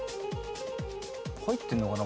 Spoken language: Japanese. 入ってんのかな？